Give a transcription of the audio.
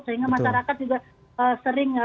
sehingga masyarakat juga sering